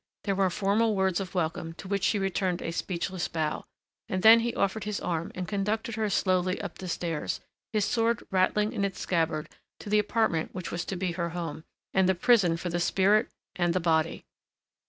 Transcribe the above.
There were formal words of welcome to which she returned a speechless bow, and then he offered his arm and conducted her slowly up the stairs, his sword rattling in its scabbard, to the apartment which was to be her home, and the prison for the spirit and the body.